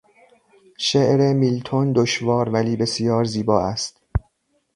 شعر میلتون دشوار ولی بسیار زیبا است.